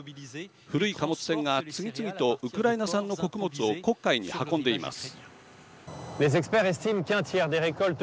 古い貨物船が次々とウクライナ産の穀物を黒海に運んでいます。